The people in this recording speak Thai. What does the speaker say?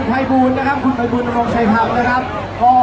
ขอบคุณมากนะคะแล้วก็แถวนี้ยังมีชาติของ